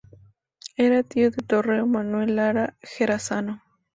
Era tío del torero Manuel Lara "Jerezano".